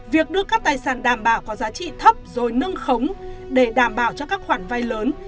việc đưa các tài sản đảm bảo có giá trị thấp rồi nâng khống để đảm bảo cho các khoản vay lớn